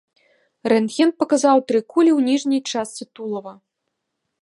Рэнтген паказаў тры кулі ў ніжняй частцы тулава.